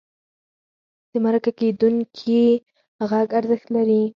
د مرکه کېدونکي غږ ارزښت لري.